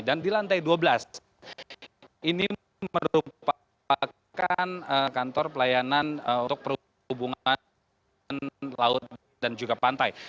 dan di lantai dua belas ini merupakan kantor pelayanan untuk perhubungan laut dan juga pantai